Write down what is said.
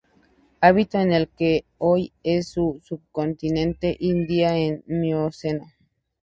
Habitó en lo que hoy es el subcontinente Indio en el Mioceno.